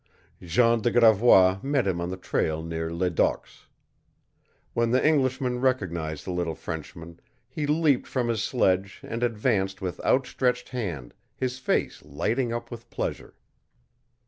Jean de Gravois met him on the trail near Ledoq's. When the Englishman recognized the little Frenchman he leaped from his sledge and advanced with outstretched hand, his face lighting up with pleasure.